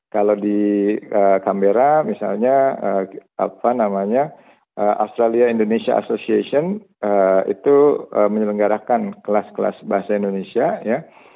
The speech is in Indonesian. kalau di kamera misalnya apa namanya australia indonesia association itu menyelenggarakan kelas kelas bahasa indonesia ya